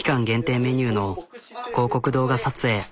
限定メニューの広告動画撮影。